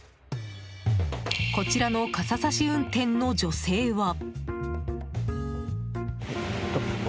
こちらの傘さし運転の女性は。